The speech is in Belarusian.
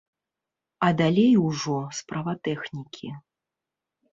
А далей ужо справа тэхнікі.